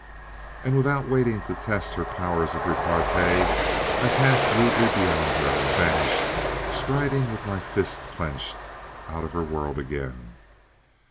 _" And without waiting to test her powers of repartee I passed rudely beyond her and vanished, striding with my fists clenched, out of her world again.